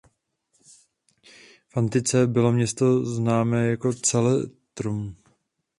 V antice bylo město známé jako Celetrum.